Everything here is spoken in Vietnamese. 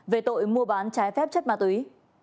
về tội mua bán trái phép chất ma túy